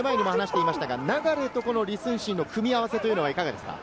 流と李承信の組み合わせはいかがですか？